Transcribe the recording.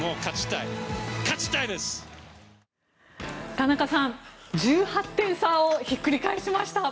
田中さん、１８点差をひっくり返しました。